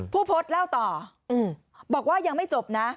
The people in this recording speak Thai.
ภูพฤเล่าต่อ